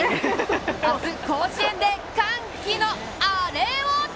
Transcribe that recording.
明日、甲子園で歓喜の「アレ」を！